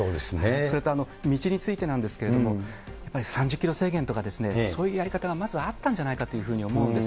それと、道についてなんですけれども、やっぱり３０キロ制限とか、そういうやり方がまずあったんじゃないかというふうに思うんです。